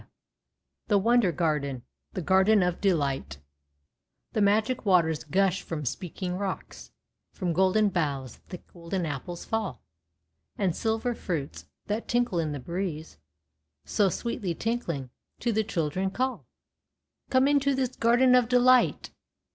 374 THE WONDER GARDEN THE GARDEN OF DELIGHT i The Magic Waters gush from Speaking Rocks, From Golden Boughs the Golden Apples fall, And Silver Fruits, that tinkle in tJie breeze, So sweetly tinkling, to the Children call: —" Come into this Garden of Delight